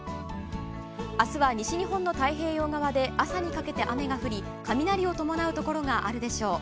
明日は西日本の太平洋側で朝にかけて雨が降り雷を伴うところがあるでしょう。